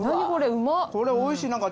これおいしい。